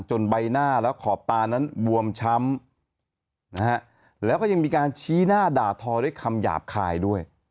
ใบหน้าและขอบตานั้นบวมช้ำนะฮะแล้วก็ยังมีการชี้หน้าด่าทอด้วยคำหยาบคายด้วย